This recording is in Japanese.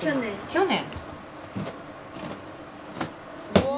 去年。